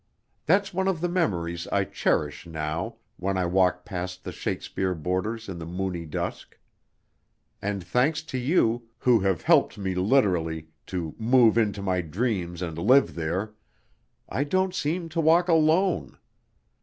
That's one of the memories I cherish now, when I walk past the Shakespeare borders in the moony dusk. And thanks to you who have helped me literally to move into my dreams and live there I don't seem to walk alone.